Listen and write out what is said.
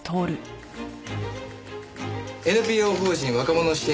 ＮＰＯ法人若者支援